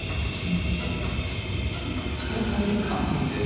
再び陥没。